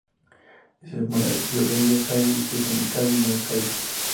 Es hermana de Fiorella Cayo, Stephanie Cayo y Macs Cayo.